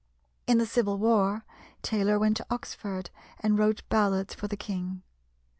In the Civil War, Taylor went to Oxford and wrote ballads for the king.